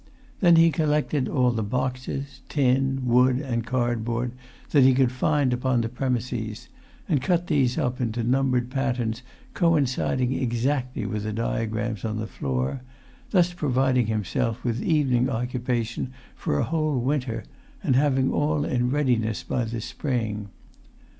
Then he collected all the boxes, tin, wood, and cardboard, that he could find upon the premises, and cut these up into numbered patterns coinciding exactly with the diagrams on the floor, thus providing himself with evening occupation for a whole winter, and having all in readiness by the spring.